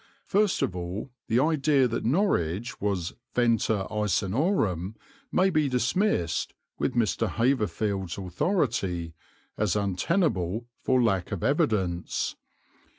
First of all the idea that Norwich was Venta Icenorum may be dismissed, with Mr. Haverfield's authority, as untenable for lack of evidence.